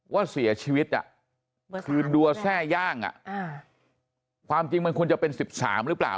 ว่าเสียชีวิตคือดัวแทร่ย่างความจริงมันควรจะเป็น๑๓หรือเปล่า